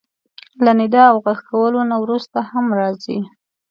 له ندا او غږ کولو نه وروسته هم راځي.